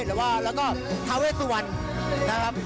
หรือว่าแล้วก็ทาเวสวรรณนะครับ